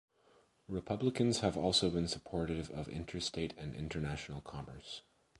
Republicans have also been supportive of interstate and international commerce.